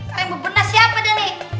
kaleng berbenas siapa dhani